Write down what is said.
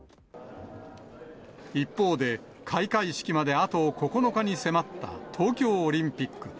一方で、開会式まであと９日に迫った東京オリンピック。